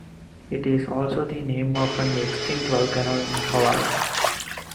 It is also the name of an extinct volcano in Hawaii.